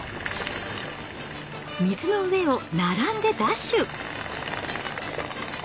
水の上を並んでダッシュ。